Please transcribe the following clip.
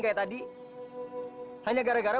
kayak tadi hanya gara gara